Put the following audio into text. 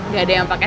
gak ada yang pake